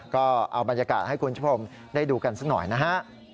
ก็เอาบรรยากาศให้คุณผู้ชมได้ดูกันสักหน่อยนะฮะ